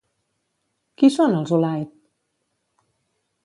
Qui són els Ulaid?